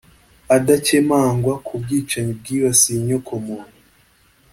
adakemangwa ku bwicanyi bwibasiye inyoko muntu